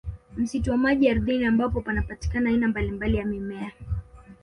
Msitu wa maji ardhini ambapo panapatikana aina mbalimbali ya mimea